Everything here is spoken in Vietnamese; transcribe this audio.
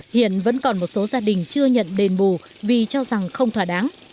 hiện vẫn còn một số gia đình chưa nhận đền bù vì cho rằng không thỏa đáng